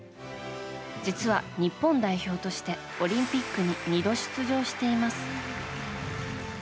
実は、日本代表としてオリンピックに２度出場しています。